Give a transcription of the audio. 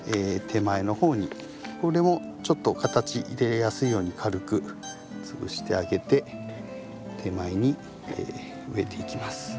これもちょっと形入れやすいように軽く潰してあげて手前に植えていきます。